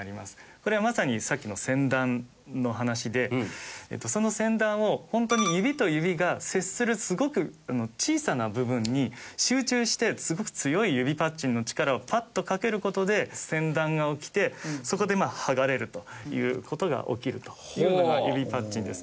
これはまさにさっきの剪断の話でその剪断をホントに指と指が接するすごく小さな部分に集中してすごく強い指パッチンの力をパッとかける事で剪断が起きてそこで剥がれるという事が起きるというのが指パッチンです。